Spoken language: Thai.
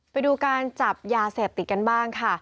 ไปดูการจับยาเสพติดกันบ้างค่ะ